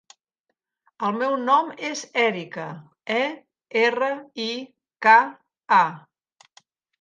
El meu nom és Erika: e, erra, i, ca, a.